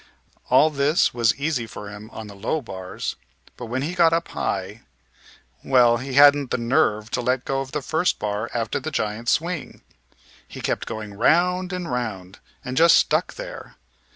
All this was easy for him on the low bars, but when he got up high well, he hadn't the nerve to let go of the first bar after the giant swing. He kept going round and round, and just stuck there.